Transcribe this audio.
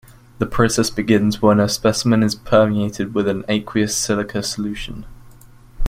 The process begins when a specimen is permeated with an aqueous silica solution.